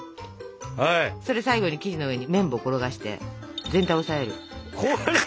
それ最後に生地の上に麺棒転がして全体を押さえる。